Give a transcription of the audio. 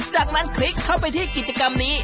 จากนั้นคลิกเข้าไปที่กิจกรรมนี้